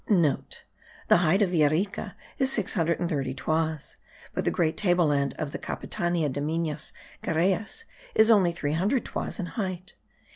*(* The height of Villa Rica is six hundred and thirty toises; but the great table land of the Capitania de Minas Geraes is only three hundred toises in height.